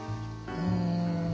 うん。